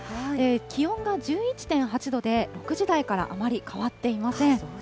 気温が１１．８度で、６時台からあまり変わっていません。